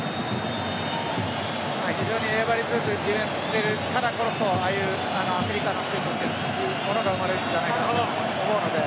非常に粘り強くディフェンスしているからこそああいう焦りからのシュートが生まれるんじゃないかなと思うので。